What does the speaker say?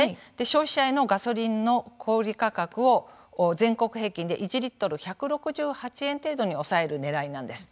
消費者へのガソリンの小売価格を全国平均で１リットル１６８円程度に抑えるねらいなんです。